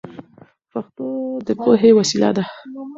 پښتو د پوهې وسیله ده.